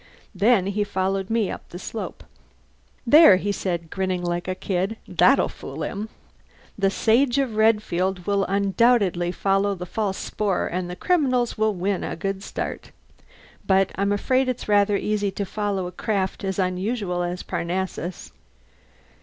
Then he followed me up the slope. "There," he said, grinning like a kid, "that'll fool him. The Sage of Redfield will undoubtedly follow a false spoor and the criminals will win a good start. But I'm afraid it's rather easy to follow a craft as unusual as Parnassus."